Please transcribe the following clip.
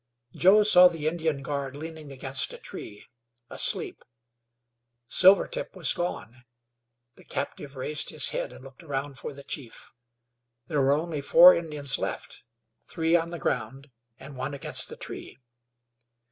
Joe saw the Indian guard leaning against a tree, asleep. Silvertip was gone. The captive raised his head and looked around for the chief. There were only four Indians left, three on the ground and one against the tree.